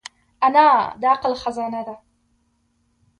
انا د عقل خزانه ده